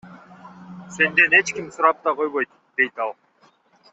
Сенден эч ким сурап да койбойт, — дейт ал.